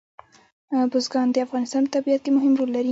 بزګان د افغانستان په طبیعت کې مهم رول لري.